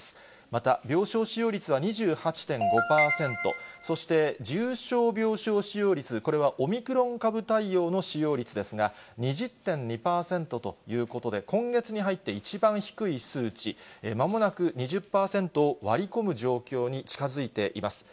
また病床使用率は２８．５％、そして重症病床使用率、これはオミクロン株対応の使用率ですが、２０．２％ということで、今月に入って一番低い数値、まもなく２０％を割り込む状況に近づいています。